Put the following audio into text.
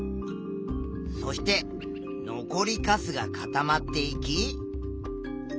そして残りかすが固まっていき。